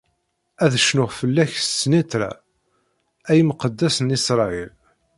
Ad cnuɣ fell-ak s snitra, a imqeddes n Isṛayil!